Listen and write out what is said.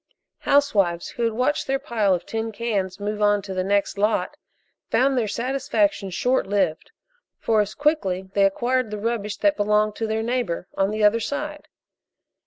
Housewives who had watched their pile of tin cans move on to the next lot found their satisfaction short lived, for as quickly they acquired the rubbish that belonged to their neighbor on the other side.